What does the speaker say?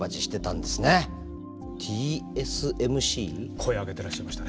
声上げてらっしゃいましたね。